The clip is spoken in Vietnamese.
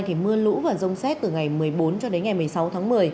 thì mưa lũ và rông xét từ ngày một mươi bốn cho đến ngày một mươi sáu tháng một mươi